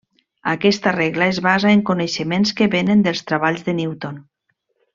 Aquesta regla es basa en coneixements que vénen dels treballs de Newton.